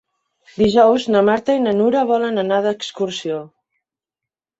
Dijous na Marta i na Nura volen anar d'excursió.